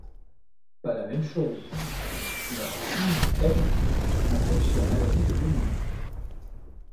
Pas la même chose … La vaccine, elle, empêche la maladie de venir.